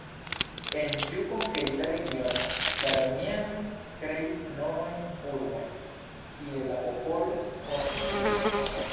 En ĉiu konkerita regiono la romianoj kreis novajn urbojn, kie la popolo koncentriĝis.